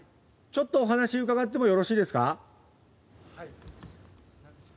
ちょっとお話伺ってもよろしいですか？